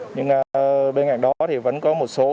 nhưng bên cạnh đó thì vẫn có một số